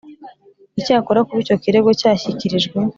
Icyakora kuba icyo kirego cyashyikirijwe